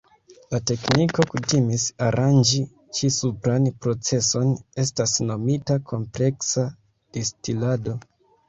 La tekniko kutimis aranĝi ĉi-supran proceson estas nomita kompleksa distilado.